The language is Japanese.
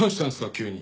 急に。